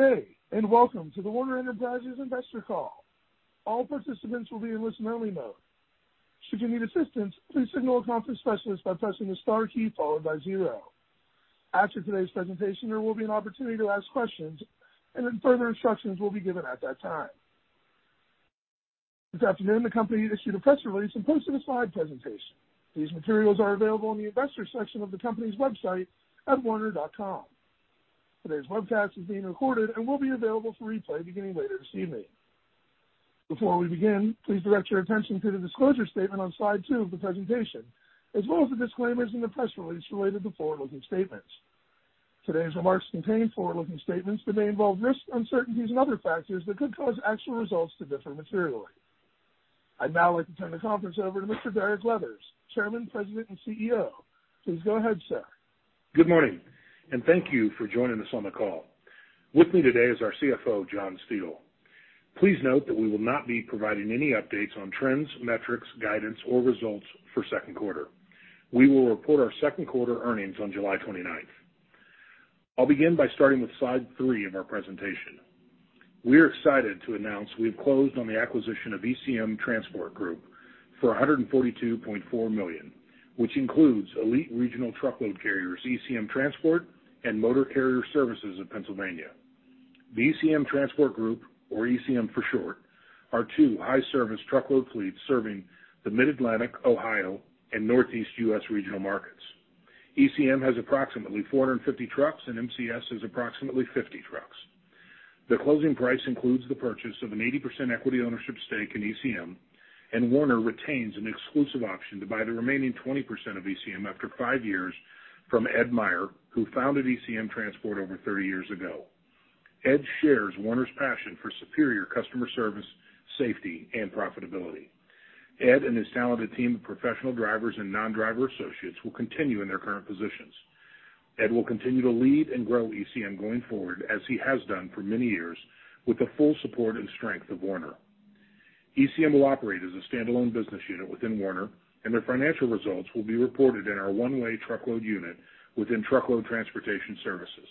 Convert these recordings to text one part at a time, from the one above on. Good day, and welcome to the Werner Enterprises investor call. All participants will be in listen-only mode. Should you need assistance, please signal a conference specialist by pressing the star key followed by zero. After today's presentation, there will be an opportunity to ask questions, and then further instructions will be given at that time. This afternoon, the company issued a press release and posted a slide presentation. These materials are available on the investors section of the company's website at werner.com. Today's webcast is being recorded and will be available for replay beginning later this evening. Before we begin, please direct your attention to the disclosure statement on slide two of the presentation, as well as the disclaimers in the press release related to forward-looking statements. Today's remarks contain forward-looking statements that may involve risks, uncertainties, and other factors that could cause actual results to differ materially. I'd now like to turn the conference over to Mr. Derek Leathers, Chairman, President, and CEO. Please go ahead, sir. Good morning, and thank you for joining us on the call. With me today is our CFO, John Steele. Please note that we will not be providing any updates on trends, metrics, guidance, or results for second quarter. We will report our second quarter earnings on July twenty-ninth. I'll begin by starting with slide three of our presentation. We're excited to announce we've closed on the acquisition of ECM Transport Group for $142.4 million, which includes elite regional truckload carriers, ECM Transport and Motor Carrier Services of Pennsylvania. The ECM Transport Group, or ECM for short, are two high-service truckload fleets serving the Mid-Atlantic, Ohio, and Northeast US regional markets. ECM has approximately 450 trucks, and MCS has approximately 50 trucks. The closing price includes the purchase of an 80% equity ownership stake in ECM, and Werner retains an exclusive option to buy the remaining 20% of ECM after 5 years from Ed Meier, who founded ECM Transport over 30 years ago. Ed shares Werner's passion for superior customer service, safety, and profitability. Ed and his talented team of professional drivers and non-driver associates will continue in their current positions. Ed will continue to lead and grow ECM going forward, as he has done for many years, with the full support and strength of Werner. ECM will operate as a standalone business unit within Werner, and their financial results will be reported in our one-way truckload unit within Truckload Transportation Services.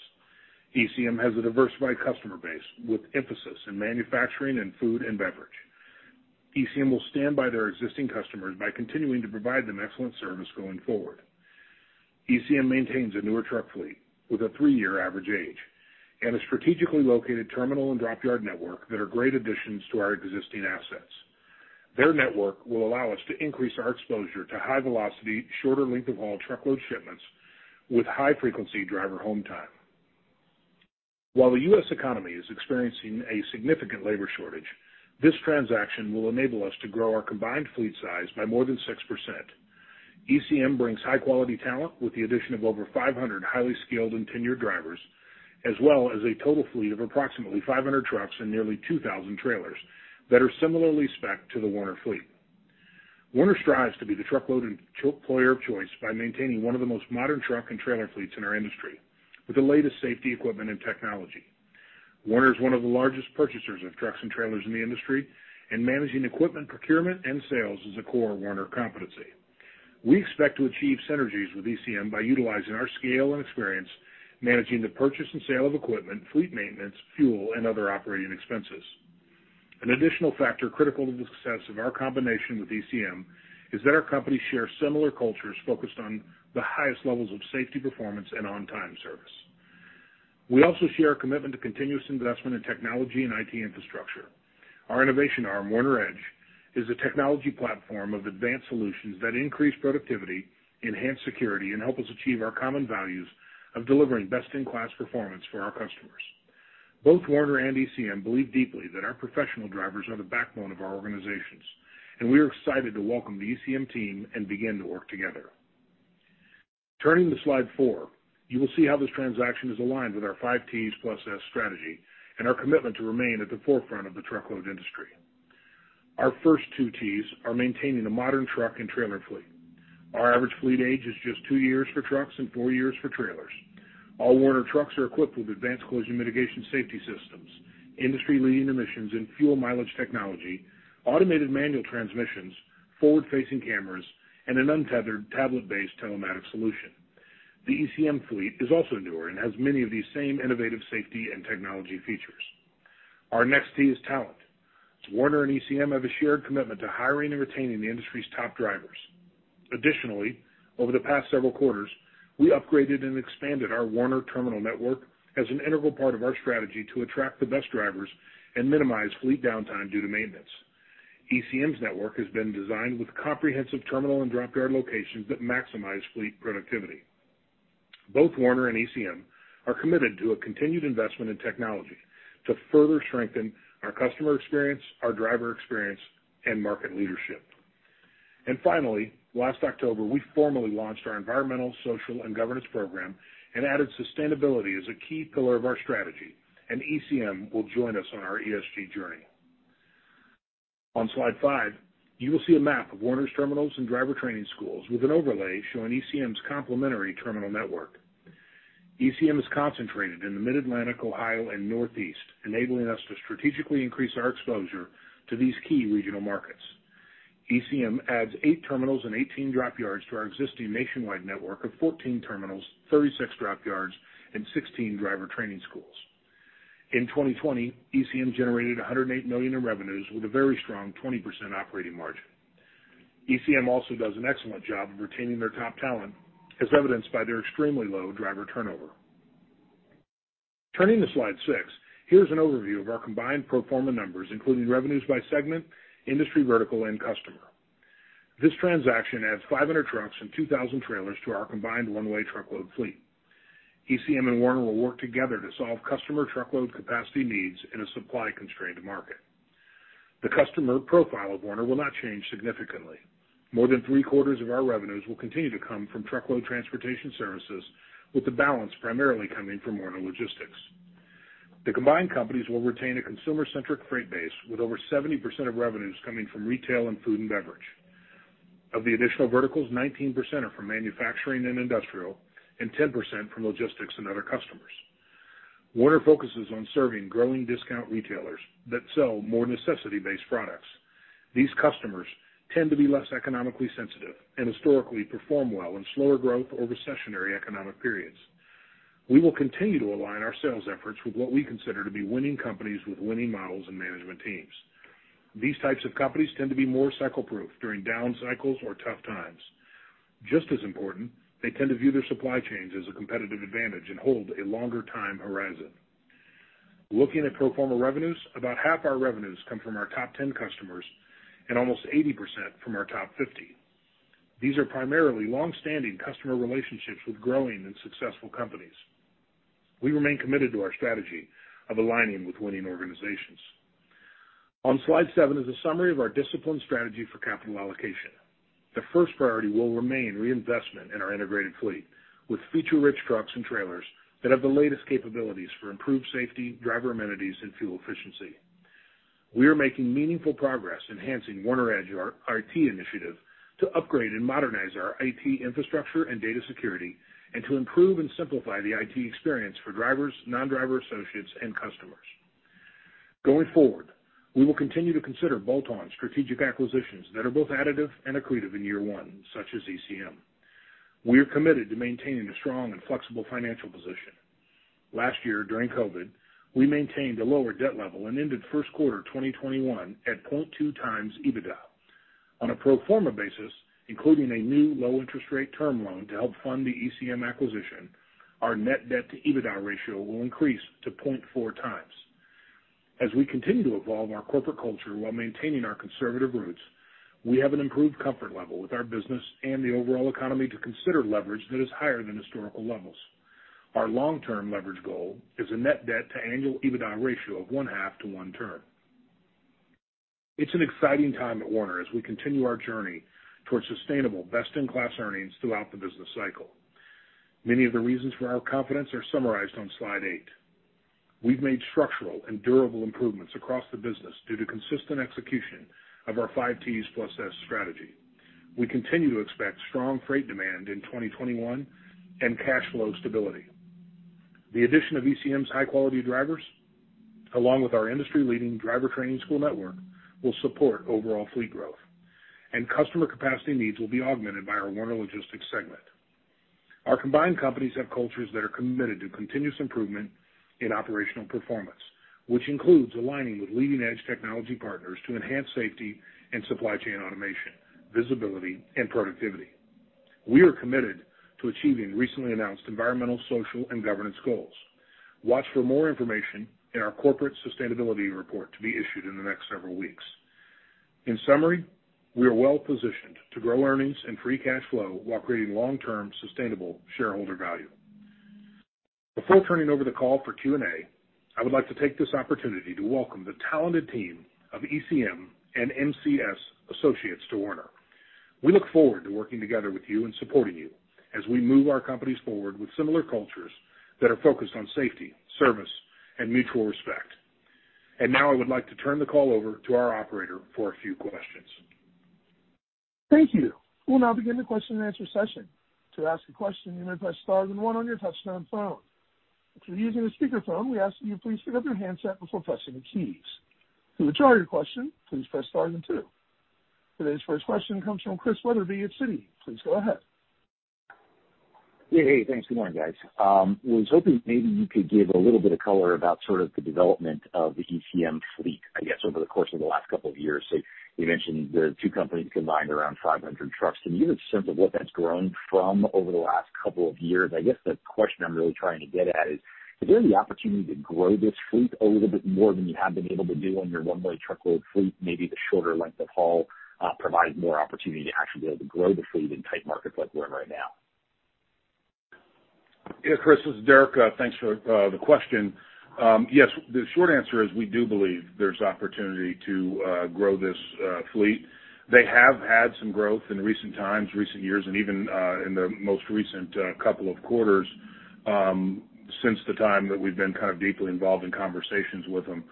ECM has a diversified customer base, with emphasis in manufacturing and food and beverage. ECM will stand by their existing customers by continuing to provide them excellent service going forward. ECM maintains a newer truck fleet with a 3-year average age and a strategically located terminal and drop yard network that are great additions to our existing assets. Their network will allow us to increase our exposure to high velocity, shorter length of haul truckload shipments with high-frequency driver home time. While the U.S. economy is experiencing a significant labor shortage, this transaction will enable us to grow our combined fleet size by more than 6%. ECM brings high-quality talent with the addition of over 500 highly skilled and tenured drivers, as well as a total fleet of approximately 500 trucks and nearly 2,000 trailers that are similarly spec'd to the Werner fleet. Werner strives to be the truckload employer of choice by maintaining one of the most modern truck and trailer fleets in our industry, with the latest safety equipment and technology. Werner is one of the largest purchasers of trucks and trailers in the industry, and managing equipment procurement and sales is a core Werner competency. We expect to achieve synergies with ECM by utilizing our scale and experience, managing the purchase and sale of equipment, fleet maintenance, fuel, and other operating expenses. An additional factor critical to the success of our combination with ECM is that our companies share similar cultures focused on the highest levels of safety, performance, and on-time service. We also share a commitment to continuous investment in technology and IT infrastructure. Our innovation arm, Werner EDGE, is a technology platform of advanced solutions that increase productivity, enhance security, and help us achieve our common values of delivering best-in-class performance for our customers. Both Werner and ECM believe deeply that our professional drivers are the backbone of our organizations, and we are excited to welcome the ECM team and begin to work together. Turning to slide four, you will see how this transaction is aligned with our 5 Ts + S strategy and our commitment to remain at the forefront of the truckload industry. Our first two T's are maintaining a modern truck and trailer fleet. Our average fleet age is just two years for trucks and four years for trailers. All Werner trucks are equipped with advanced collision mitigation safety systems, industry-leading emissions and fuel mileage technology, automated manual transmissions, forward-facing cameras, and an untethered tablet-based telematics solution. The ECM fleet is also newer and has many of these same innovative safety and technology features. Our next T is talent, as Werner and ECM have a shared commitment to hiring and retaining the industry's top drivers. Additionally, over the past several quarters, we upgraded and expanded our Werner terminal network as an integral part of our strategy to attract the best drivers and minimize fleet downtime due to maintenance. ECM's network has been designed with comprehensive terminal and drop yard locations that maximize fleet productivity. Both Werner and ECM are committed to a continued investment in technology to further strengthen our customer experience, our driver experience, and market leadership. Finally, last October, we formally launched our Environmental, Social, and Governance program and added sustainability as a key pillar of our strategy, and ECM will join us on our ESG journey. On slide 5, you will see a map of Werner's terminals and driver training schools with an overlay showing ECM's complementary terminal network. ECM is concentrated in the Mid-Atlantic, Ohio, and Northeast, enabling us to strategically increase our exposure to these key regional markets.... ECM adds 8 terminals and 18 drop yards to our existing nationwide network of 14 terminals, 36 drop yards, and 16 driver training schools. In 2020, ECM generated $108 million in revenues, with a very strong 20% operating margin. ECM also does an excellent job of retaining their top talent, as evidenced by their extremely low driver turnover. Turning to slide 6, here's an overview of our combined pro forma numbers, including revenues by segment, industry vertical, and customer. This transaction adds 500 trucks and 2,000 trailers to our combined one-way truckload fleet. ECM and Werner will work together to solve customer truckload capacity needs in a supply-constrained market. The customer profile of Werner will not change significantly. More than three quarters of our revenues will continue to come from truckload transportation services, with the balance primarily coming from Werner Logistics. The combined companies will retain a consumer-centric freight base, with over 70% of revenues coming from retail and food and beverage. Of the additional verticals, 19% are from manufacturing and industrial, and 10% from logistics and other customers. Werner focuses on serving growing discount retailers that sell more necessity-based products. These customers tend to be less economically sensitive and historically perform well in slower growth or recessionary economic periods. We will continue to align our sales efforts with what we consider to be winning companies with winning models and management teams. These types of companies tend to be more cycle-proof during down cycles or tough times. Just as important, they tend to view their supply chains as a competitive advantage and hold a longer time horizon. Looking at pro forma revenues, about half our revenues come from our top 10 customers and almost 80% from our top 50. These are primarily long-standing customer relationships with growing and successful companies. We remain committed to our strategy of aligning with winning organizations. On slide 7 is a summary of our disciplined strategy for capital allocation. The first priority will remain reinvestment in our integrated fleet, with feature-rich trucks and trailers that have the latest capabilities for improved safety, driver amenities, and fuel efficiency. We are making meaningful progress enhancing Werner EDGE, our IT initiative, to upgrade and modernize our IT infrastructure and data security, and to improve and simplify the IT experience for drivers, non-driver associates, and customers. Going forward, we will continue to consider bolt-on strategic acquisitions that are both additive and accretive in year one, such as ECM. We are committed to maintaining a strong and flexible financial position. Last year, during COVID, we maintained a lower debt level and ended first quarter 2021 at 0.2x EBITDA. On a pro forma basis, including a new low-interest rate term loan to help fund the ECM acquisition, our net debt to EBITDA ratio will increase to 0.4x. As we continue to evolve our corporate culture while maintaining our conservative roots, we have an improved comfort level with our business and the overall economy to consider leverage that is higher than historical levels. Our long-term leverage goal is a net debt to annual EBITDA ratio of 0.5-1 turn. It's an exciting time at Werner as we continue our journey towards sustainable, best-in-class earnings throughout the business cycle. Many of the reasons for our confidence are summarized on slide 8. We've made structural and durable improvements across the business due to consistent execution of our Five Ts plus S strategy. We continue to expect strong freight demand in 2021 and cash flow stability. The addition of ECM's high-quality drivers, along with our industry-leading driver training school network, will support overall fleet growth, and customer capacity needs will be augmented by our Werner Logistics segment. Our combined companies have cultures that are committed to continuous improvement in operational performance, which includes aligning with leading-edge technology partners to enhance safety and supply chain automation, visibility, and productivity. We are committed to achieving recently announced environmental, social, and governance goals. Watch for more information in our corporate sustainability report to be issued in the next several weeks. In summary, we are well positioned to grow earnings and free cash flow while creating long-term, sustainable shareholder value. Before turning over the call for Q&A, I would like to take this opportunity to welcome the talented team of ECM and MCS associates to Werner. We look forward to working together with you and supporting you as we move our companies forward with similar cultures that are focused on safety, service, and mutual respect. Now I would like to turn the call over to our operator for a few questions. Thank you. We'll now begin the question-and-answer session. To ask a question, you may press star then one on your touchtone phone. If you're using a speakerphone, we ask that you please pick up your handset before pressing the keys. To withdraw your question, please press star then two. Today's first question comes from Chris Wetherbee at Citi. Please go ahead. Yeah, hey, thanks. Good morning, guys. Was hoping maybe you could give a little bit of color about sort of the development of the ECM fleet, I guess, over the course of the last couple of years. So you mentioned the two companies combined around 500 trucks. Can you give a sense of what that's grown from over the last couple of years? I guess the question I'm really trying to get at is, is there the opportunity to grow this fleet a little bit more than you have been able to do on your one-way truckload fleet? Maybe the shorter length of haul provides more opportunity to actually be able to grow the fleet in tight markets like we're in right now. Yeah, Chris, this is Derek. Thanks for the question. Yes, the short answer is we do believe there's opportunity to grow this fleet. They have had some growth in recent times, recent years, and even in the most recent couple of quarters since the time that we've been kind of deeply involved in conversations with them.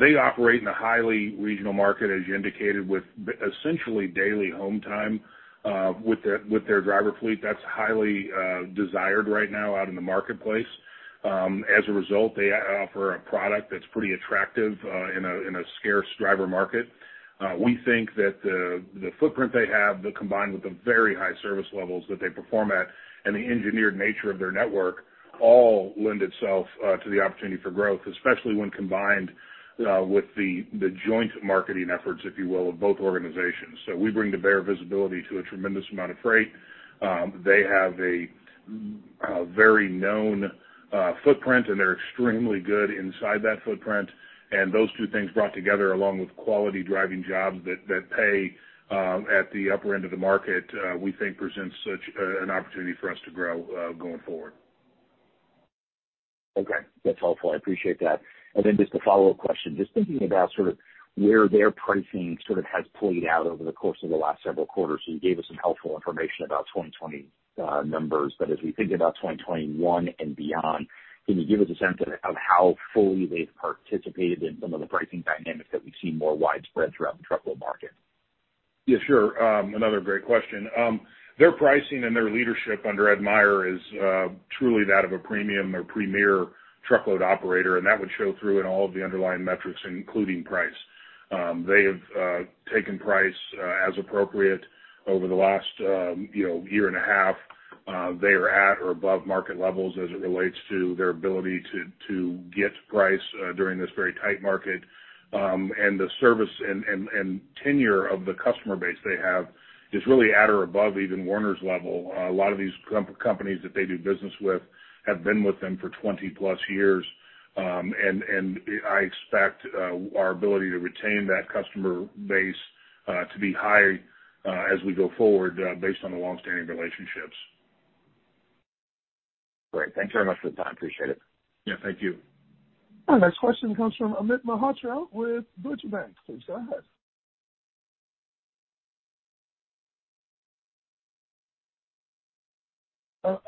They operate in a highly regional market, as you indicated, with essentially daily home time with their driver fleet. That's highly desired right now out in the marketplace. As a result, they offer a product that's pretty attractive in a scarce driver market. We think that the footprint they have, combined with the very high service levels that they perform at and the engineered nature of their network, all lend itself to the opportunity for growth, especially when combined with the joint marketing efforts, if you will, of both organizations. So we bring to bear visibility to a tremendous amount of freight. They have a very known footprint, and they're extremely good inside that footprint. And those two things brought together, along with quality driving jobs that pay at the upper end of the market, we think presents such an opportunity for us to grow going forward. Okay, that's helpful. I appreciate that. And then just a follow-up question. Just thinking about sort of where their pricing sort of has played out over the course of the last several quarters, you gave us some helpful information about 2020 numbers. But as we think about 2021 and beyond, can you give us a sense of how fully they've participated in some of the pricing dynamics that we've seen more widespread throughout the truckload market? Yeah, sure. Another great question. Their pricing and their leadership under Ed Meier is truly that of a premium or premier truckload operator, and that would show through in all of the underlying metrics, including price. They have taken price as appropriate over the last, you know, year and a half. They are at or above market levels as it relates to their ability to get price during this very tight market. And the service and tenure of the customer base they have is really at or above even Werner's level. A lot of these companies that they do business with have been with them for 20-plus years. I expect our ability to retain that customer base to be high as we go forward based on the long-standing relationships. Great. Thanks very much for the time. Appreciate it. Yeah, thank you. Our next question comes from Amit Mehrotra with Deutsche Bank. Please go ahead.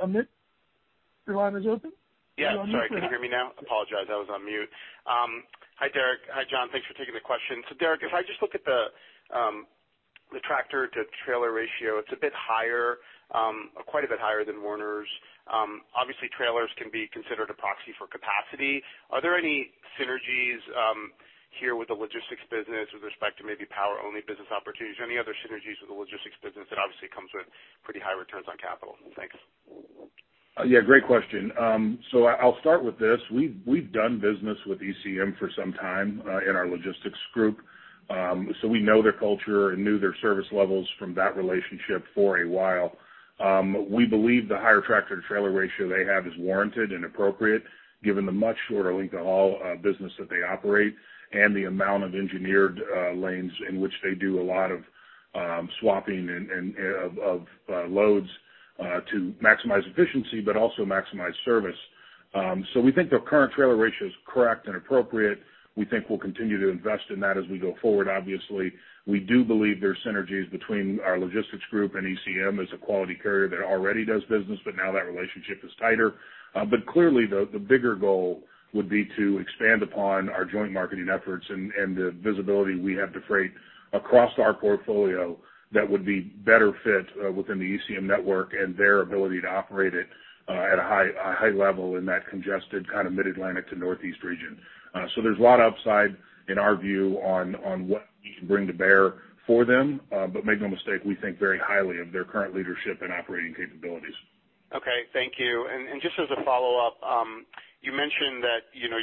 Amit, your line is open. Yeah, sorry. Can you hear me now? I apologize. I was on mute. Hi, Derek. Hi, John. Thanks for taking the question. So, Derek, if I just look at the tractor-to-trailer ratio, it's a bit higher, quite a bit higher than Werner's. Obviously, trailers can be considered a proxy for capacity. Are there any synergies here with the logistics business with respect to maybe power-only business opportunities, or any other synergies with the logistics business that obviously comes with pretty high returns on capital? Thanks. Yeah, great question. So I'll start with this. We've done business with ECM for some time in our logistics group. So we know their culture and knew their service levels from that relationship for a while. We believe the higher tractor and trailer ratio they have is warranted and appropriate, given the much shorter length-haul business that they operate and the amount of engineered lanes in which they do a lot of swapping and drop-off of loads to maximize efficiency, but also maximize service. So we think their current trailer ratio is correct and appropriate. We think we'll continue to invest in that as we go forward. Obviously, we do believe there are synergies between our logistics group and ECM as a quality carrier that already does business, but now that relationship is tighter. But clearly, the bigger goal would be to expand upon our joint marketing efforts and the visibility we have to freight across our portfolio that would be better fit within the ECM network and their ability to operate it at a high level in that congested kind of Mid-Atlantic to Northeast region. So there's a lot of upside in our view on what we can bring to bear for them, but make no mistake, we think very highly of their current leadership and operating capabilities. Okay. Thank you. And just as a follow-up, you mentioned that, you know,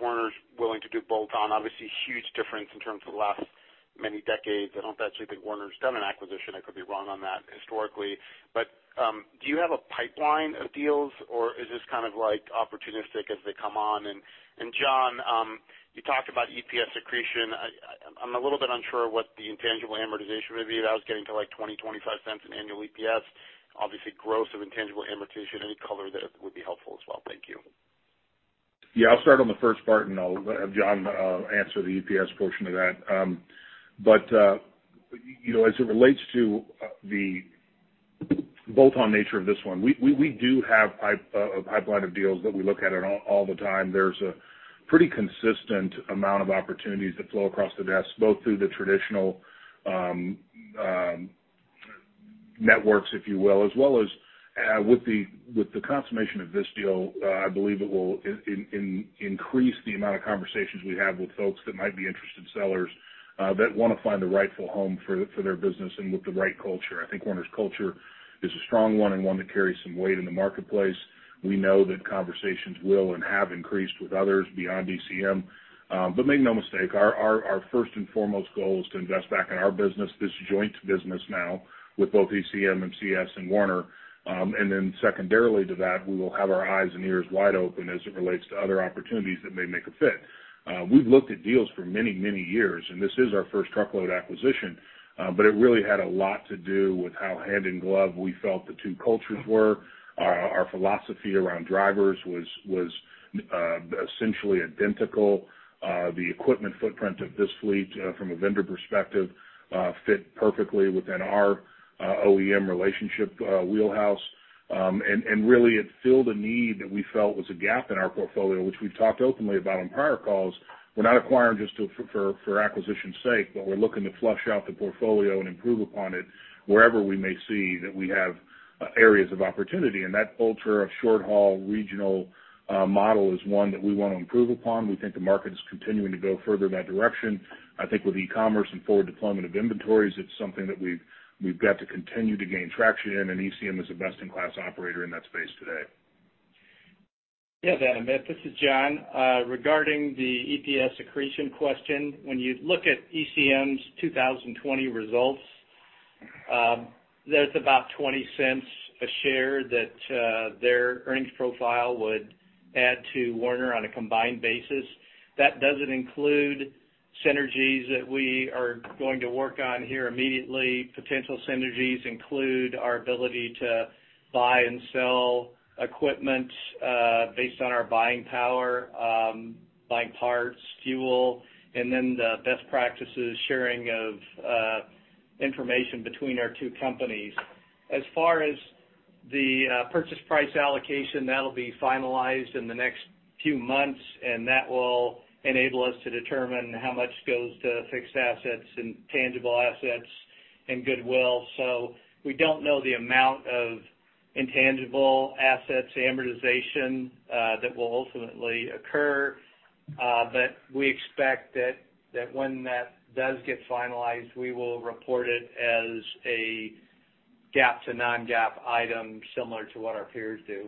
Werner's willing to do bolt-on. Obviously, huge difference in terms of the last many decades. I don't actually think Werner's done an acquisition, I could be wrong on that historically, but do you have a pipeline of deals, or is this kind of like opportunistic as they come on? And John, you talked about EPS accretion. I'm a little bit unsure what the intangible amortization would be. That was getting to, like, $0.20-$0.25 in annual EPS, obviously gross of intangible amortization. Any color there would be helpful as well. Thank you. Yeah, I'll start on the first part, and I'll have John answer the EPS portion of that. But you know, as it relates to the bolt-on nature of this one, we do have a pipeline of deals that we look at all the time. There's a pretty consistent amount of opportunities that flow across the desk, both through the traditional networks, if you will, as well as with the consummation of this deal, I believe it will increase the amount of conversations we have with folks that might be interested sellers that want to find a rightful home for their business and with the right culture. I think Werner's culture is a strong one and one that carries some weight in the marketplace. We know that conversations will and have increased with others beyond ECM. But make no mistake, our first and foremost goal is to invest back in our business, this joint business now with both ECM and CS and Werner. And then secondarily to that, we will have our eyes and ears wide open as it relates to other opportunities that may make a fit. We've looked at deals for many, many years, and this is our first truckload acquisition, but it really had a lot to do with how hand in glove we felt the two cultures were. Our philosophy around drivers was essentially identical. The equipment footprint of this fleet, from a vendor perspective, fit perfectly within our OEM relationship wheelhouse. And really, it filled a need that we felt was a gap in our portfolio, which we've talked openly about on prior calls. We're not acquiring just for acquisition's sake, but we're looking to flesh out the portfolio and improve upon it wherever we may see that we have areas of opportunity, and that ultra short-haul regional model is one that we want to improve upon. We think the market is continuing to go further in that direction. I think with e-commerce and forward deployment of inventories, it's something that we've got to continue to gain traction in, and ECM is a best-in-class operator in that space today. Yeah, Adam, this is John. Regarding the EPS accretion question, when you look at ECM's 2020 results, there's about $0.20 a share that their earnings profile would add to Werner on a combined basis. That doesn't include synergies that we are going to work on here immediately. Potential synergies include our ability to buy and sell equipment based on our buying power, buying parts, fuel, and then the best practices, sharing of information between our two companies. As far as the purchase price allocation, that'll be finalized in the next few months, and that will enable us to determine how much goes to fixed assets and tangible assets and goodwill. So we don't know the amount of intangible assets amortization, that will ultimately occur, but we expect that, that when that does get finalized, we will report it as a GAAP to non-GAAP item, similar to what our peers do.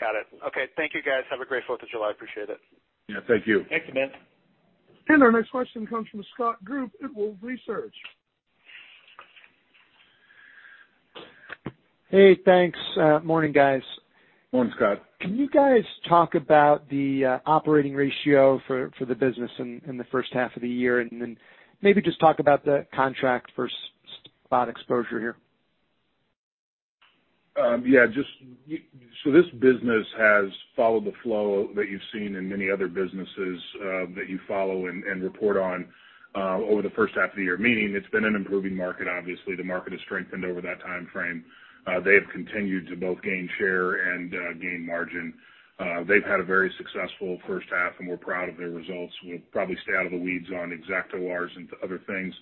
Got it. Okay. Thank you, guys. Have a great Fourth of July. I appreciate it. Yeah, thank you. Thank you, Amit. Our next question comes from Scott Group at Wolfe Research. Hey, thanks. Morning, guys. Morning, Scott. Can you guys talk about the operating ratio for the business in the first half of the year? And then maybe just talk about the contract versus spot exposure here. Yeah, just so this business has followed the flow that you've seen in many other businesses, that you follow and report on, over the first half of the year, meaning it's been an improving market. Obviously, the market has strengthened over that time frame. They have continued to both gain share and gain margin. They've had a very successful first half, and we're proud of their results. We'll probably stay out of the weeds on exact ORs and other things.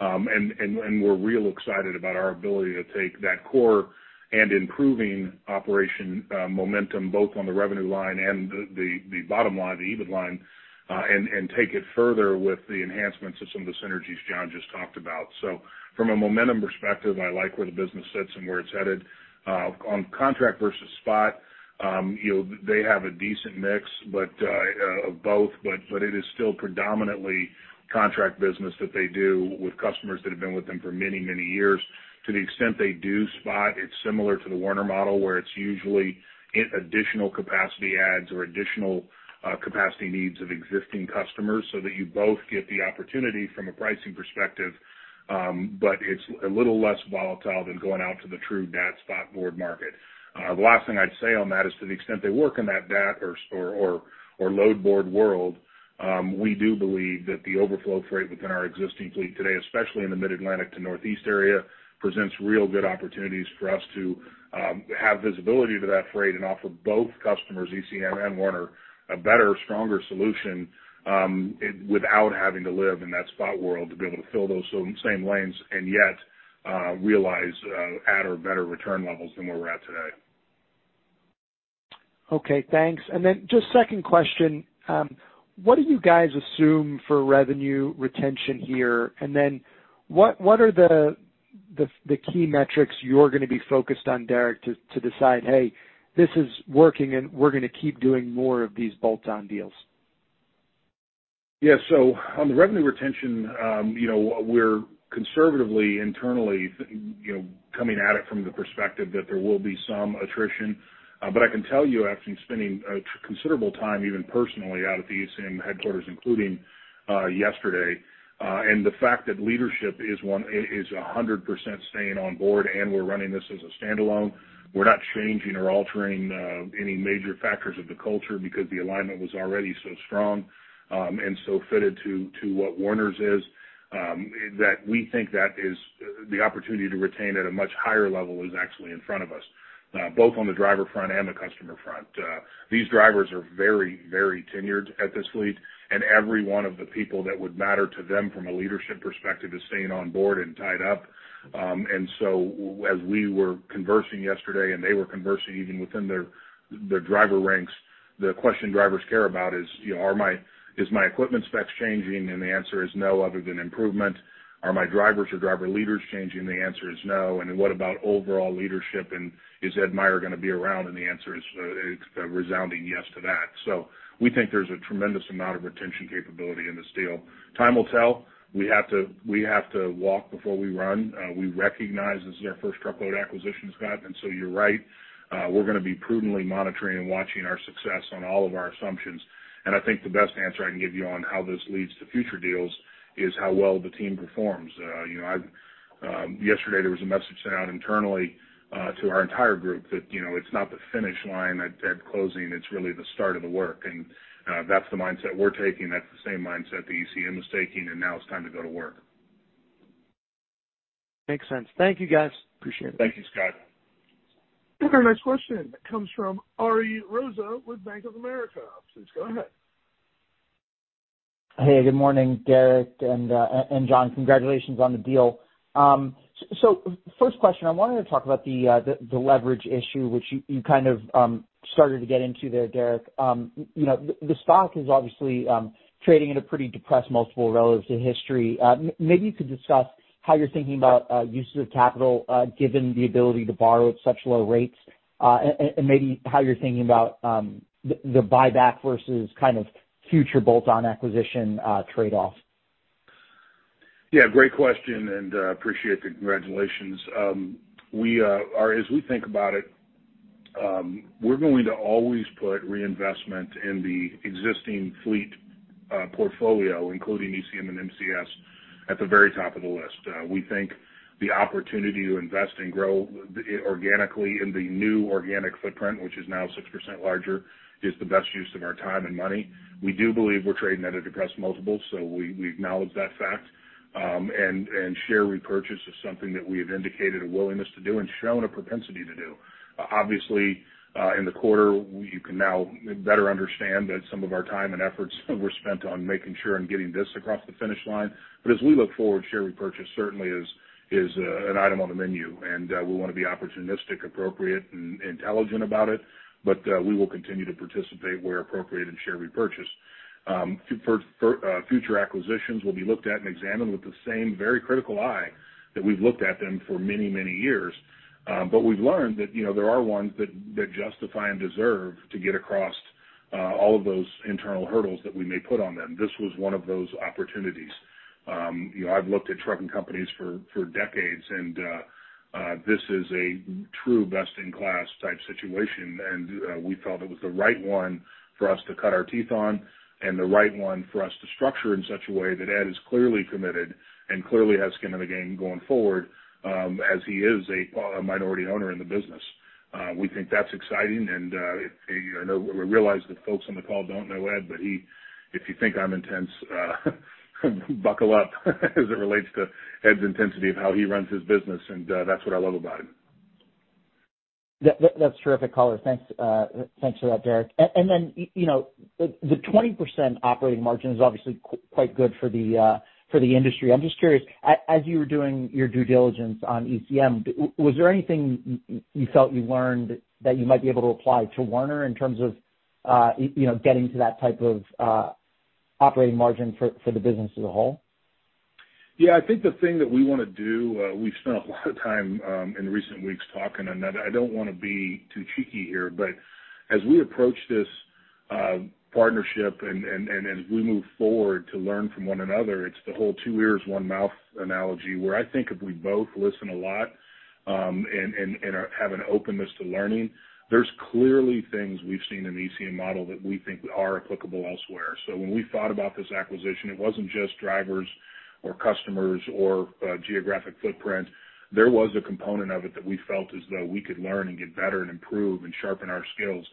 And we're real excited about our ability to take that core and improving operation momentum, both on the revenue line and the bottom line, the EBIT line, and take it further with the enhancements of some of the synergies John just talked about. So from a momentum perspective, I like where the business sits and where it's headed. On contract versus spot, you know, they have a decent mix, but of both, but it is still predominantly contract business that they do with customers that have been with them for many, many years. To the extent they do spot, it's similar to the Werner model, where it's usually in additional capacity adds or additional capacity needs of existing customers, so that you both get the opportunity from a pricing perspective, but it's a little less volatile than going out to the true DAT spot board market. The last thing I'd say on that is to the extent they work in that DAT or, or, or load board world, we do believe that the overflow freight within our existing fleet today, especially in the Mid-Atlantic to Northeast area, presents real good opportunities for us to, have visibility to that freight and offer both customers, ECM and Werner, a better, stronger solution, without having to live in that spot world, to be able to fill those same lanes and yet, realize, at or better return levels than where we're at today. Okay, thanks. And then just second question, what do you guys assume for revenue retention here? And then what are the key metrics you're going to be focused on, Derek, to decide, hey, this is working, and we're going to keep doing more of these bolt-on deals? Yeah, so on the revenue retention, you know, we're conservatively, internally, you know, coming at it from the perspective that there will be some attrition. But I can tell you, after spending considerable time, even personally, out at the ECM headquarters, including yesterday, and the fact that leadership is 100% staying on board, and we're running this as a standalone. We're not changing or altering any major factors of the culture because the alignment was already so strong, and so fitted to what Werner's is, that we think that the opportunity to retain at a much higher level is actually in front of us, both on the driver front and the customer front. These drivers are very, very tenured at this fleet, and every one of the people that would matter to them from a leadership perspective is staying on board and tied up. And so as we were conversing yesterday, and they were conversing even within their, their driver ranks, the question drivers care about is, you know, are my equipment specs changing? And the answer is no, other than improvement. Are my drivers or driver leaders changing? The answer is no. And then what about overall leadership, and is Ed Meyer going to be around? And the answer is a resounding yes to that. So we think there's a tremendous amount of retention capability in this deal. Time will tell. We have to, we have to walk before we run. We recognize this is our first truckload acquisition, Scott, and so you're right. We're going to be prudently monitoring and watching our success on all of our assumptions. And I think the best answer I can give you on how this leads to future deals is how well the team performs. You know, I've... Yesterday, there was a message sent out internally to our entire group that, you know, it's not the finish line at closing, it's really the start of the work. And that's the mindset we're taking. That's the same mindset that ECM is taking, and now it's time to go to work. Makes sense. Thank you, guys. Appreciate it. Thank you, Scott. Our next question comes from Ari Rosa with Bank of America. Please go ahead.... Hey, good morning, Derek and John. Congratulations on the deal. So first question, I wanted to talk about the leverage issue, which you kind of started to get into there, Derek. You know, the stock is obviously trading at a pretty depressed multiple relative to history. Maybe you could discuss how you're thinking about uses of capital, given the ability to borrow at such low rates, and maybe how you're thinking about the buyback versus kind of future bolt-on acquisition trade-offs. Yeah, great question, and appreciate the congratulations. We are, as we think about it, we're going to always put reinvestment in the existing fleet, portfolio, including ECM and MCS, at the very top of the list. We think the opportunity to invest and grow, organically in the new organic footprint, which is now 6% larger, is the best use of our time and money. We do believe we're trading at a depressed multiple, so we acknowledge that fact. And share repurchase is something that we have indicated a willingness to do and shown a propensity to do. Obviously, in the quarter, you can now better understand that some of our time and efforts were spent on making sure and getting this across the finish line. But as we look forward, share repurchase certainly is an item on the menu, and we want to be opportunistic, appropriate, and intelligent about it, but we will continue to participate where appropriate in share repurchase. For future acquisitions will be looked at and examined with the same very critical eye that we've looked at them for many, many years. But we've learned that, you know, there are ones that justify and deserve to get across all of those internal hurdles that we may put on them. This was one of those opportunities. You know, I've looked at trucking companies for decades, and this is a true best-in-class type situation, and we felt it was the right one for us to cut our teeth on and the right one for us to structure in such a way that Ed is clearly committed and clearly has skin in the game going forward, as he is a minority owner in the business. We think that's exciting, and you know, we realize that folks on the call don't know Ed, but if you think I'm intense, buckle up, as it relates to Ed's intensity of how he runs his business, and that's what I love about him. That's terrific color. Thanks, thanks for that, Derek. And then, you know, the 20% operating margin is obviously quite good for the industry. I'm just curious, as you were doing your due diligence on ECM, was there anything you felt you learned that you might be able to apply to Werner in terms of, you know, getting to that type of operating margin for the business as a whole? Yeah, I think the thing that we want to do, we've spent a lot of time in recent weeks talking, and I don't want to be too cheeky here, but as we approach this partnership and as we move forward to learn from one another, it's the whole two ears, one mouth analogy, where I think if we both listen a lot and have an openness to learning, there's clearly things we've seen in the ECM model that we think are applicable elsewhere. So when we thought about this acquisition, it wasn't just drivers or customers or geographic footprint. There was a component of it that we felt as though we could learn and get better and improve and sharpen our skills.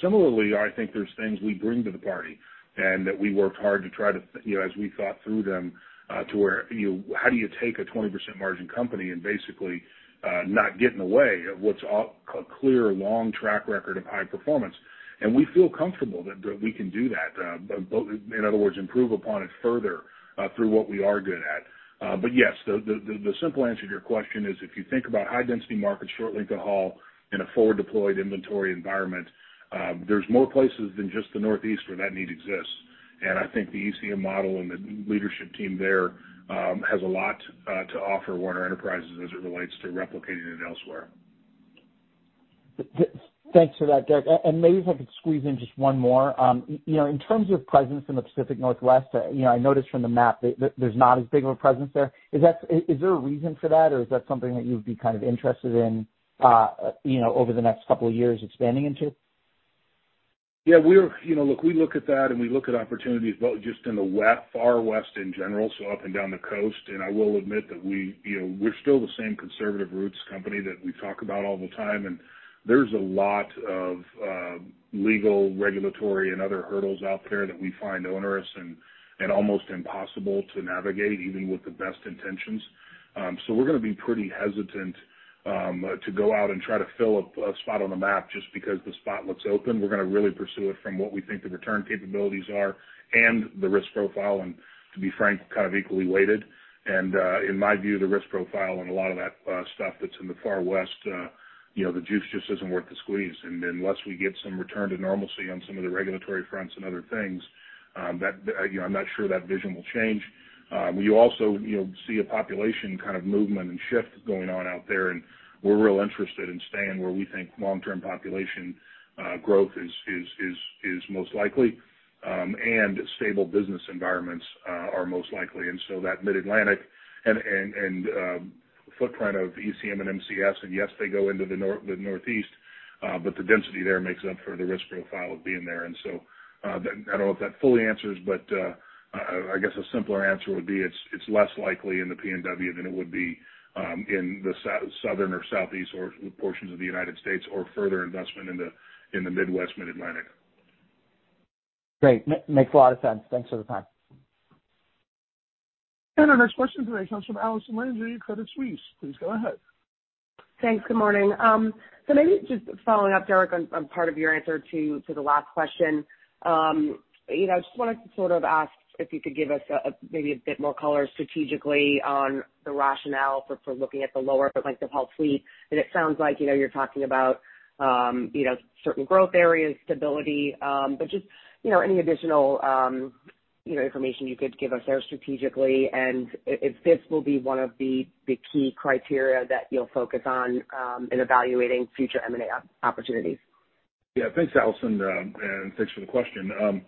Similarly, I think there's things we bring to the party and that we worked hard to try to, you know, as we thought through them, to where, you know, how do you take a 20% margin company and basically, not get in the way of what's a clear, long track record of high performance? And we feel comfortable that, that we can do that, but in other words, improve upon it further, through what we are good at. But yes, the simple answer to your question is, if you think about high-density markets, short length-of-haul in a forward-deployed inventory environment, there's more places than just the Northeast where that need exists. And I think the ECM model and the leadership team there, has a lot, to offer Werner Enterprises as it relates to replicating it elsewhere. Thanks for that, Derek. And maybe if I could squeeze in just one more. You know, in terms of presence in the Pacific Northwest, you know, I noticed from the map that there's not as big of a presence there. Is that... Is there a reason for that, or is that something that you'd be kind of interested in, you know, over the next couple of years expanding into? Yeah, we're... You know, look, we look at that, and we look at opportunities both just in the far West in general, so up and down the coast, and I will admit that we, you know, we're still the same conservative roots company that we talk about all the time. And there's a lot of legal, regulatory, and other hurdles out there that we find onerous and almost impossible to navigate, even with the best intentions. So we're going to be pretty hesitant to go out and try to fill a spot on the map just because the spot looks open. We're going to really pursue it from what we think the return capabilities are and the risk profile, and to be frank, kind of equally weighted. And, in my view, the risk profile and a lot of that stuff that's in the far West, you know, the juice just isn't worth the squeeze. And unless we get some return to normalcy on some of the regulatory fronts and other things, you know, I'm not sure that vision will change. We also, you know, see a population kind of movement and shift going on out there, and we're real interested in staying where we think long-term population growth is most likely, and stable business environments are most likely. And so that Mid-Atlantic and footprint of ECM and MCS, and yes, they go into the Northeast, but the density there makes up for the risk profile of being there. And so, I don't know if that fully answers, but, I guess a simpler answer would be it's less likely in the PNW than it would be in the southern or Southeast or portions of the United States, or further investment in the Midwest, Mid-Atlantic. Great. Makes a lot of sense. Thanks for the time. Our next question today comes from Allison Landry, Credit Suisse. Please go ahead. Thanks. Good morning. So maybe just following up, Derek, on part of your answer to the last question. You know, I just wanted to sort of ask if you could give us a maybe a bit more color strategically on the rationale for looking at the lower length of haul fleet. And it sounds like, you know, you're talking about you know, certain growth areas, stability, but just, you know, any additional you know, information you could give us there strategically, and if this will be one of the key criteria that you'll focus on in evaluating future M&A opportunities. Yeah, thanks, Allison. Thanks for the question.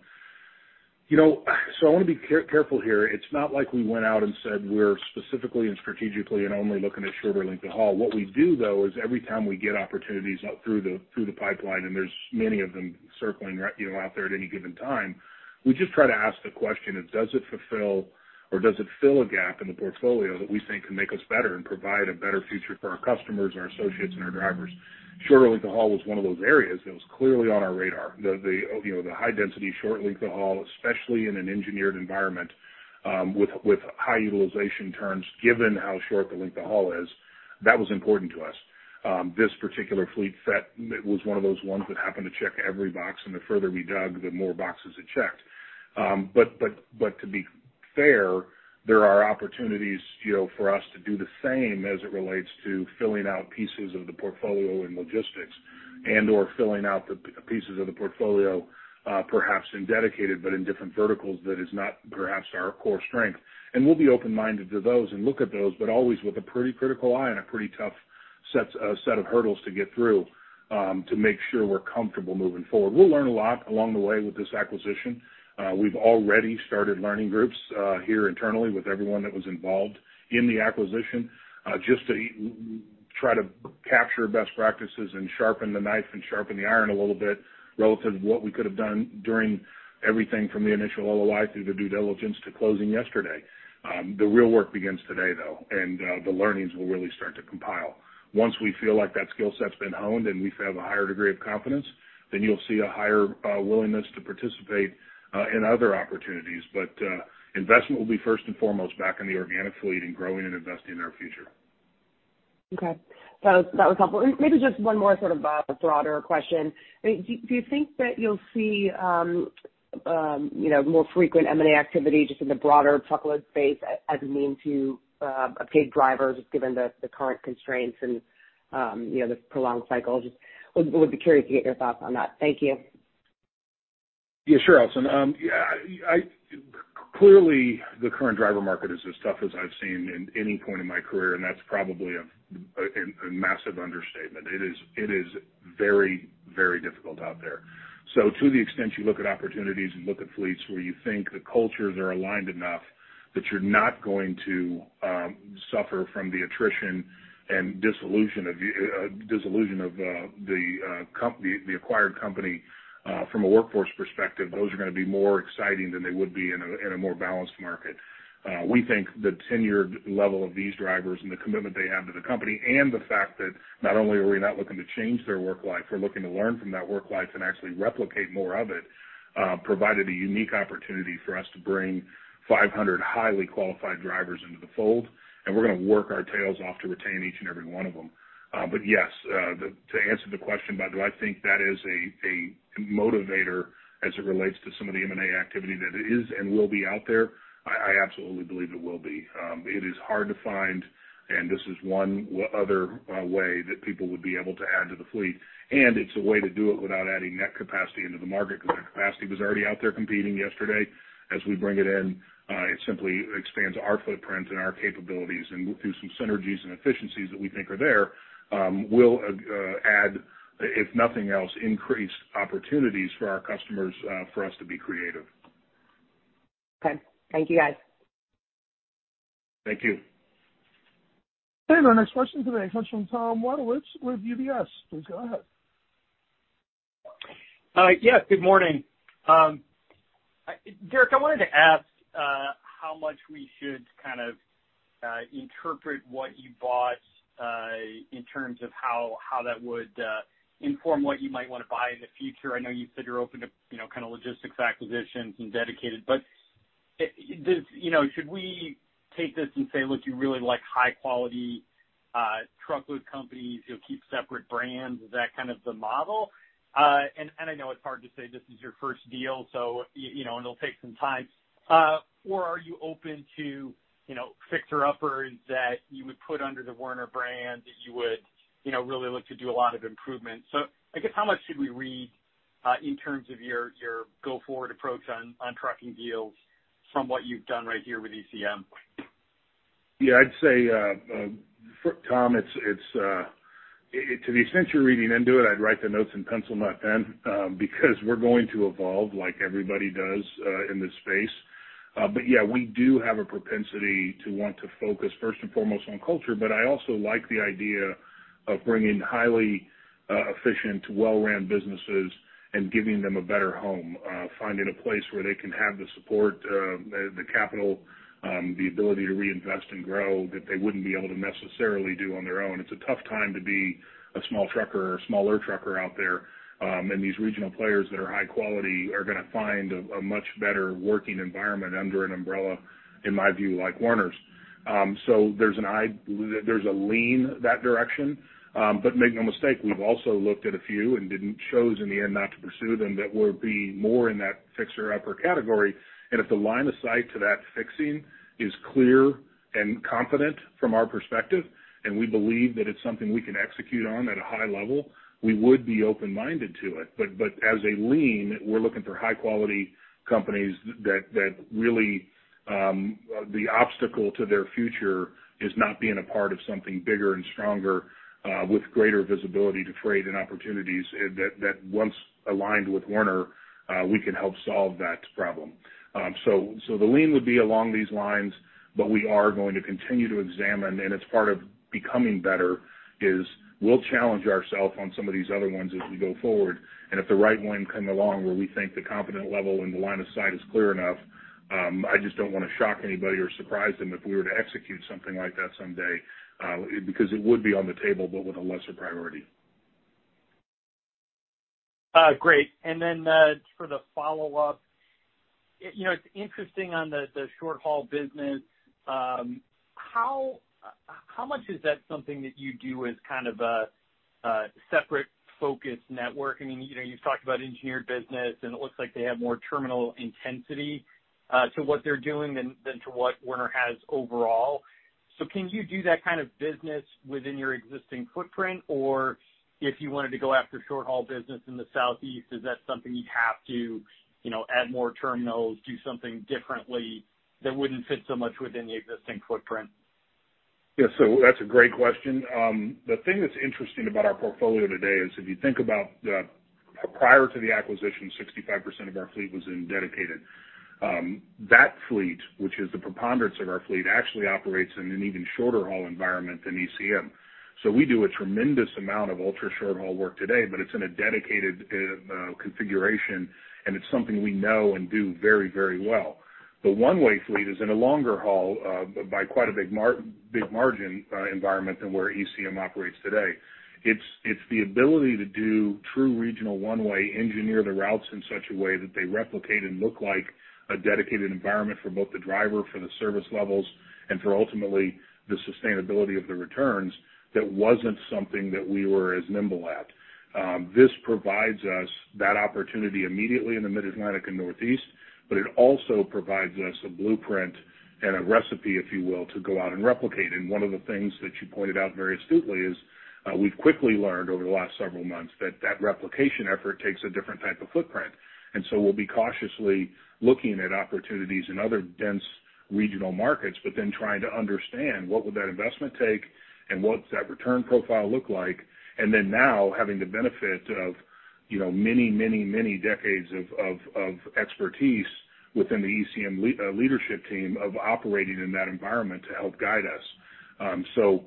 You know, so I want to be careful here. It's not like we went out and said, we're specifically and strategically and only looking at shorter length of haul. What we do, though, is every time we get opportunities out through the pipeline, and there's many of them circling, you know, out there at any given time, we just try to ask the question of, does it fulfill or does it fill a gap in the portfolio that we think can make us better and provide a better future for our customers, our associates, and our drivers? Shorter length of haul was one of those areas that was clearly on our radar. The, you know, the high density, short length of haul, especially in an engineered environment, with high utilization terms, given how short the length of haul is, that was important to us. This particular fleet set was one of those ones that happened to check every box, and the further we dug, the more boxes it checked. But to be fair, there are opportunities, you know, for us to do the same as it relates to filling out pieces of the portfolio in logistics and/or filling out the pieces of the portfolio, perhaps in dedicated, but in different verticals that is not perhaps our core strength. We'll be open-minded to those and look at those, but always with a pretty critical eye and a pretty tough set of hurdles to get through, to make sure we're comfortable moving forward. We'll learn a lot along the way with this acquisition. We've already started learning groups here internally with everyone that was involved in the acquisition, just to try to capture best practices and sharpen the knife and sharpen the iron a little bit relative to what we could have done during everything from the initial LOI through the due diligence to closing yesterday. The real work begins today, though, and the learnings will really start to compile. Once we feel like that skill set's been honed, and we have a higher degree of confidence, then you'll see a higher willingness to participate in other opportunities. Investment will be first and foremost back in the organic fleet and growing and investing in our future. Okay. That was helpful. And maybe just one more sort of broader question. Do you think that you'll see, you know, more frequent M&A activity just in the broader truckload space as a means to obtain drivers, given the current constraints and, you know, the prolonged cycle? Just would be curious to get your thoughts on that. Thank you. Yeah, sure, Allison. Yeah, clearly, the current driver market is as tough as I've seen in any point in my career, and that's probably a massive understatement. It is very, very difficult out there. So to the extent you look at opportunities and look at fleets where you think the cultures are aligned enough that you're not going to suffer from the attrition and dissolution of the acquired company from a workforce perspective, those are going to be more exciting than they would be in a more balanced market. We think the tenured level of these drivers and the commitment they have to the company and the fact that not only are we not looking to change their work life, we're looking to learn from that work life and actually replicate more of it, provided a unique opportunity for us to bring 500 highly qualified drivers into the fold, and we're going to work our tails off to retain each and every one of them. But yes, to answer the question about do I think that is a motivator as it relates to some of the M&A activity that is and will be out there, I absolutely believe it will be. It is hard to find, and this is one other way that people would be able to add to the fleet, and it's a way to do it without adding net capacity into the market, because that capacity was already out there competing yesterday. As we bring it in, it simply expands our footprint and our capabilities, and through some synergies and efficiencies that we think are there, we'll add, if nothing else, increased opportunities for our customers, for us to be creative. Okay. Thank you, guys. Thank you. Our next question today comes from Tom Wadewitz with UBS. Please go ahead. Yes, good morning. Derek, I wanted to ask how much we should kind of interpret what you bought in terms of how that would inform what you might want to buy in the future. I know you said you're open to, you know, kind of logistics acquisitions and dedicated, but does... You know, should we take this and say, look, you really like high quality truckload companies, you'll keep separate brands? Is that kind of the model? And I know it's hard to say, this is your first deal, so you know, and it'll take some time. Or are you open to, you know, fixer-uppers that you would put under the Werner brand, that you would, you know, really look to do a lot of improvements? I guess, how much should we read in terms of your go-forward approach on trucking deals from what you've done right here with ECM? Yeah, I'd say, Tom, it's to the extent you're reading into it, I'd write the notes in pencil, not pen, because we're going to evolve like everybody does in this space. But yeah, we do have a propensity to want to focus first and foremost on culture, but I also like the idea of bringing highly efficient, well-run businesses and giving them a better home, finding a place where they can have the support, the capital, the ability to reinvest and grow, that they wouldn't be able to necessarily do on their own. It's a tough time to be a small trucker or a smaller trucker out there, and these regional players that are high quality are going to find a much better working environment under an umbrella, in my view, like Werner's. So there's a lean in that direction. But make no mistake, we've also looked at a few and didn't choose in the end not to pursue them, that would be more in that fixer-upper category. If the line of sight to that fixing is clear and confident from our perspective, and we believe that it's something we can execute on at a high level, we would be open-minded to it. But that's the lean, we're looking for high-quality companies that really the obstacle to their future is not being a part of something bigger and stronger, with greater visibility to freight and opportunities, that once aligned with Werner, we can help solve that problem. So, the lean would be along these lines, but we are going to continue to examine, and it's part of becoming better, is we'll challenge ourself on some of these other ones as we go forward. And if the right one come along, where we think the confidence level and the line of sight is clear enough, I just don't want to shock anybody or surprise them if we were to execute something like that someday, because it would be on the table, but with a lesser priority. Great. And then, for the follow-up, you know, it's interesting on the short-haul business, how much is that something that you do as kind of a separate focus network? I mean, you know, you've talked about engineered business, and it looks like they have more terminal intensity to what they're doing than to what Werner has overall. So can you do that kind of business within your existing footprint? Or if you wanted to go after short-haul business in the Southeast, is that something you'd have to, you know, add more terminals, do something differently that wouldn't fit so much within the existing footprint? Yeah. So that's a great question. The thing that's interesting about our portfolio today is if you think about the, prior to the acquisition, 65% of our fleet was in dedicated. That fleet, which is the preponderance of our fleet, actually operates in an even shorter-haul environment than ECM. So we do a tremendous amount of ultra-short haul work today, but it's in a dedicated configuration, and it's something we know and do very, very well. The one-way fleet is in a longer haul, by quite a big margin, environment than where ECM operates today. It's the ability to do true regional one-way, engineer the routes in such a way that they replicate and look like a dedicated environment for both the driver, for the service levels, and for, ultimately, the sustainability of the returns. That wasn't something that we were as nimble at. This provides us that opportunity immediately in the Mid-Atlantic and Northeast, but it also provides us a blueprint and a recipe, if you will, to go out and replicate. And one of the things that you pointed out very astutely is, we've quickly learned over the last several months that that replication effort takes a different type of footprint. And so we'll be cautiously looking at opportunities in other dense regional markets, but then trying to understand what would that investment take and what's that return profile look like. And then now, having the benefit of, you know, many, many, many decades of expertise within the ECM leadership team of operating in that environment to help guide us. So,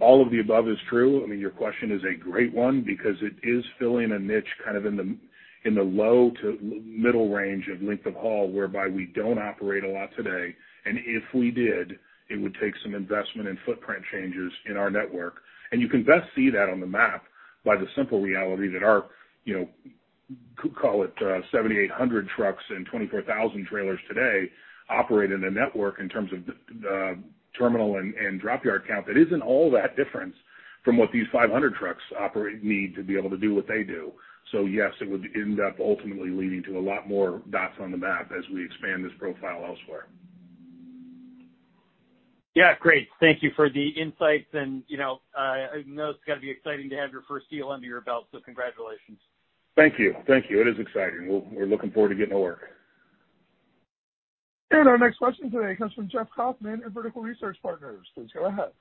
all of the above is true. I mean, your question is a great one because it is filling a niche kind of in the, in the low to middle range of length of haul, whereby we don't operate a lot today, and if we did, it would take some investment and footprint changes in our network. And you can best see that on the map by the simple reality that our, you know, call it, 7,800 trucks and 24,000 trailers today, operate in a network in terms of the, the terminal and, and drop yard count, that isn't all that different from what these 500 trucks operate... need to be able to do what they do. So yes, it would end up ultimately leading to a lot more dots on the map as we expand this profile elsewhere. Yeah, great. Thank you for the insights. You know, I know it's got to be exciting to have your first deal under your belt, so congratulations. Thank you. Thank you. It is exciting. We're looking forward to getting to work. Our next question today comes from Jeff Kauffman at Vertical Research Partners. Please go ahead.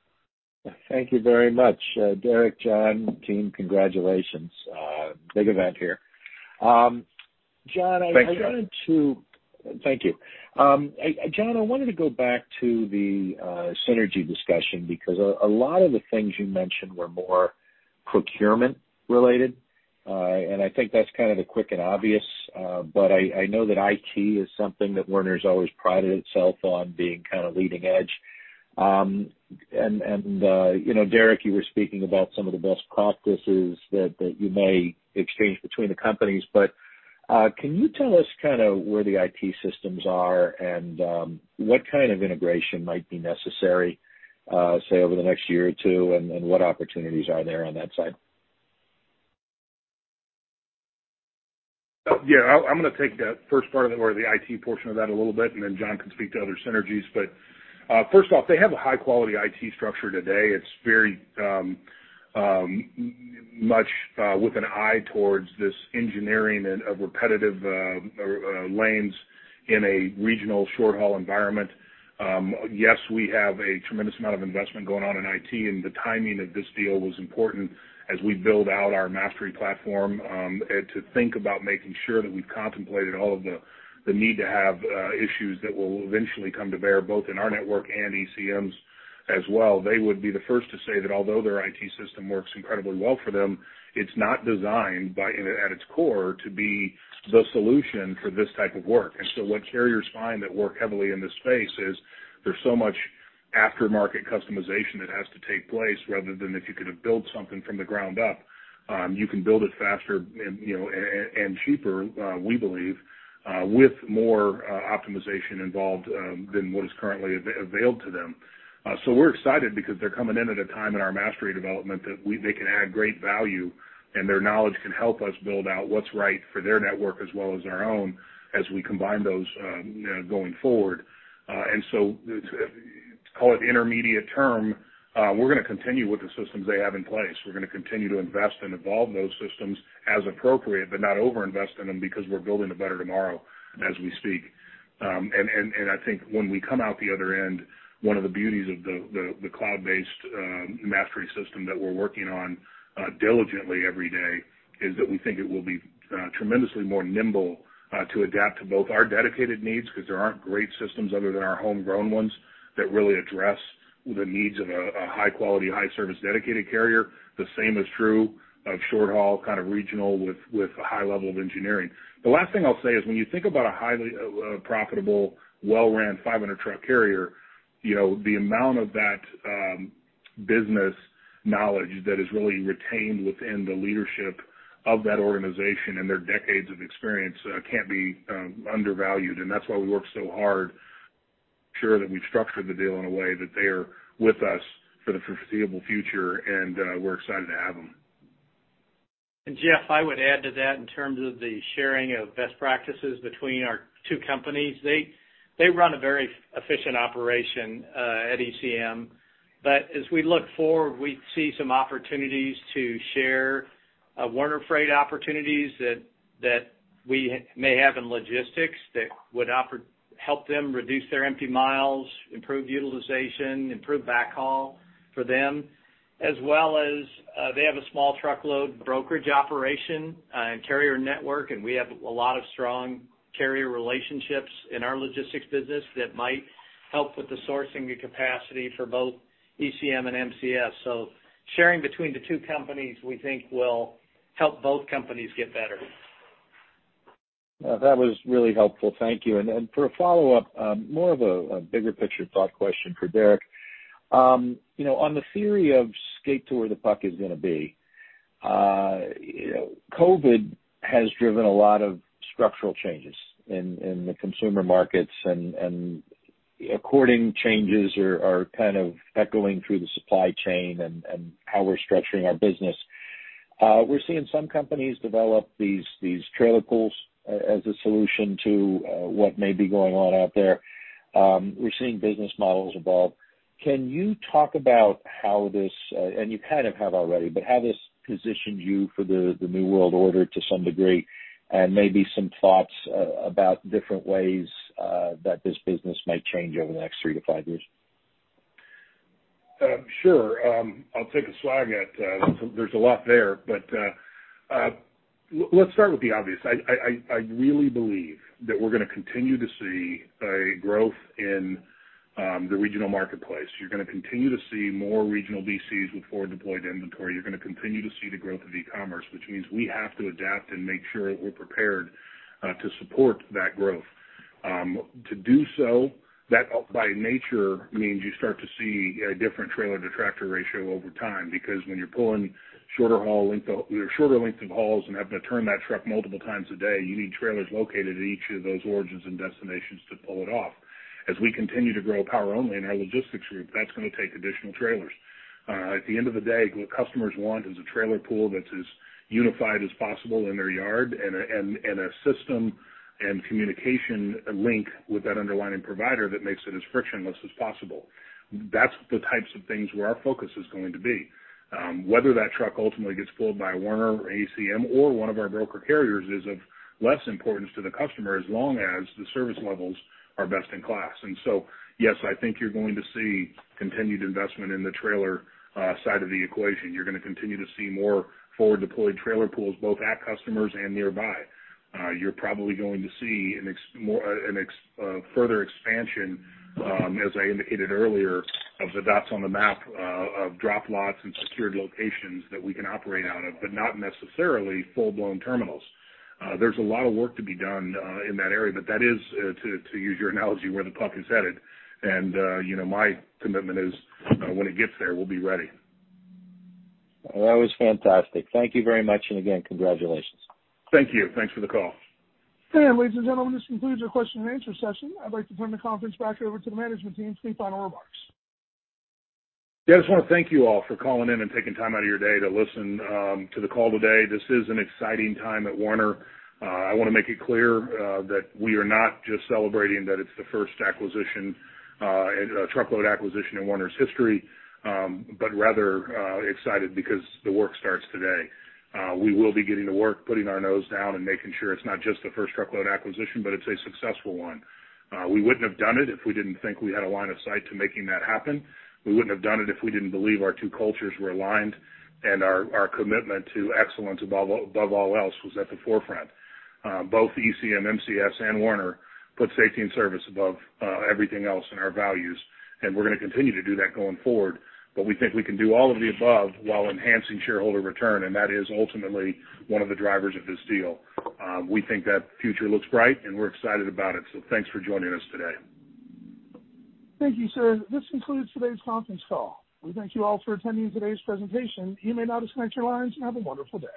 Thank you very much. Derek, John, team, congratulations, big event here. John- Thanks, Jeff. I wanted to thank you. John, I wanted to go back to the synergy discussion, because a lot of the things you mentioned were more procurement related, and I think that's kind of the quick and obvious, but I know that IT is something that Werner's always prided itself on being kind of leading edge. And you know, Derek, you were speaking about some of the best practices that you may exchange between the companies, but can you tell us kind of where the IT systems are and what kind of integration might be necessary, say, over the next year or two, and what opportunities are there on that side? Yeah, I'm going to take the first part of it, or the IT portion of that a little bit, and then John can speak to other synergies. But, first off, they have a high-quality IT structure today. It's very much with an eye towards this engineering and of repetitive lanes in a regional short-haul environment. Yes, we have a tremendous amount of investment going on in IT, and the timing of this deal was important as we build out our Mastery platform, and to think about making sure that we've contemplated all of the need to have issues that will eventually come to bear, both in our network and ECM's as well. They would be the first to say that although their IT system works incredibly well for them, it's not designed by, at its core, to be the solution for this type of work. And so what carriers find that work heavily in this space is there's so much after-market customization that has to take place, rather than if you could have built something from the ground up, you can build it faster and, you know, and cheaper, we believe, with more optimization involved, than what is currently available to them. So we're excited because they're coming in at a time in our Mastery development that they can add great value, and their knowledge can help us build out what's right for their network as well as our own, as we combine those, going forward. And so, to call it intermediate term, we're going to continue with the systems they have in place. We're going to continue to invest and evolve those systems as appropriate, but not overinvest in them because we're building a better tomorrow as we speak. And I think when we come out the other end, one of the beauties of the cloud-based Mastery system that we're working on diligently every day is that we think it will be tremendously more nimble to adapt to both our dedicated needs, because there aren't great systems other than our homegrown ones that really address the needs of a high quality, high service dedicated carrier. The same is true of short haul, kind of regional, with a high level of engineering. The last thing I'll say is, when you think about a highly profitable, well-run, 500-truck carrier, you know, the amount of that business knowledge that is really retained within the leadership of that organization and their decades of experience can't be undervalued. And that's why we worked so hard, sure that we structured the deal in a way that they are with us for the foreseeable future, and we're excited to have them. And Jeff, I would add to that in terms of the sharing of best practices between our two companies. They run a very efficient operation at ECM. But as we look forward, we see some opportunities to share Werner freight opportunities that we may have in logistics that would help them reduce their empty miles, improve utilization, improve backhaul for them, as well as they have a small truckload brokerage operation and carrier network, and we have a lot of strong carrier relationships in our logistics business that might help with the sourcing the capacity for both ECM and MCS. So sharing between the two companies, we think will help both companies get better. That was really helpful. Thank you. And for a follow-up, more of a bigger picture thought question for Derek. You know, on the theory of skate to where the puck is going to be, you know, COVID has driven a lot of structural changes in the consumer markets, and according changes are kind of echoing through the supply chain and how we're structuring our business. We're seeing some companies develop these trailer pools as a solution to what may be going on out there. We're seeing business models evolve. Can you talk about how this, and you kind of have already, but how this positioned you for the, the new world order to some degree, and maybe some thoughts about different ways that this business might change over the next three to five years? Sure. I'll take a swag at, there's a lot there, but, let's start with the obvious. I really believe that we're going to continue to see a growth in the regional marketplace. You're going to continue to see more regional DCs with forward deployed inventory. You're going to continue to see the growth of e-commerce, which means we have to adapt and make sure that we're prepared to support that growth. To do so, that by nature, means you start to see a different trailer-to-tractor ratio over time, because when you're pulling shorter haul length of- or shorter lengths of hauls and having to turn that truck multiple times a day, you need trailers located at each of those origins and destinations to pull it off. As we continue to grow power only in our logistics group, that's going to take additional trailers. At the end of the day, what customers want is a trailer pool that's as unified as possible in their yard and a system and communication link with that underlying provider that makes it as frictionless as possible. That's the types of things where our focus is going to be. Whether that truck ultimately gets pulled by Werner or ECM or one of our broker carriers is of less importance to the customer, as long as the service levels are best in class. So, yes, I think you're going to see continued investment in the trailer side of the equation. You're going to continue to see more forward-deployed trailer pools, both at customers and nearby. You're probably going to see a further expansion, as I indicated earlier, of the dots on the map, of drop lots and secured locations that we can operate out of, but not necessarily full-blown terminals. There's a lot of work to be done in that area, but that is to use your analogy, where the puck is headed. You know, my commitment is, when it gets there, we'll be ready. That was fantastic. Thank you very much, and again, congratulations. Thank you. Thanks for the call. Ladies and gentlemen, this concludes our question and answer session. I'd like to turn the conference back over to the management team for any final remarks. Yeah, I just want to thank you all for calling in and taking time out of your day to listen to the call today. This is an exciting time at Werner. I want to make it clear that we are not just celebrating that it's the first acquisition, truckload acquisition in Werner's history, but rather, excited because the work starts today. We will be getting to work, putting our nose down and making sure it's not just the first truckload acquisition, but it's a successful one. We wouldn't have done it if we didn't think we had a line of sight to making that happen. We wouldn't have done it if we didn't believe our two cultures were aligned and our commitment to excellence above all else was at the forefront. Both ECM, MCS, and Werner put safety and service above everything else in our values, and we're going to continue to do that going forward. But we think we can do all of the above while enhancing shareholder return, and that is ultimately one of the drivers of this deal. We think that future looks bright, and we're excited about it, so thanks for joining us today. Thank you, sir. This concludes today's conference call. We thank you all for attending today's presentation. You may now disconnect your lines. Have a wonderful day.